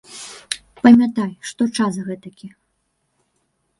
Памятай, што час гэтакі.